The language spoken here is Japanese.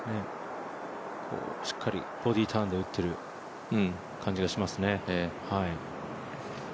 しっかりボディーターンで打ってる感じがしますね。